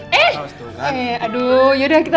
selamat ulang tahun mama